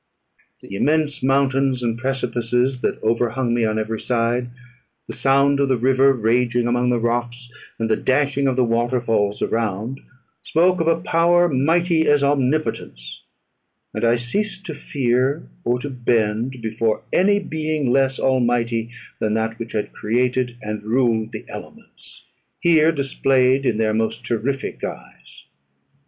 The immense mountains and precipices that overhung me on every side the sound of the river raging among the rocks, and the dashing of the waterfalls around, spoke of a power mighty as Omnipotence and I ceased to fear, or to bend before any being less almighty than that which had created and ruled the elements, here displayed in their most terrific guise.